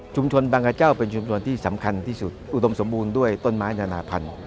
บางกระเจ้าเป็นชุมชนที่สำคัญที่สุดอุดมสมบูรณ์ด้วยต้นไม้นานาพันธุ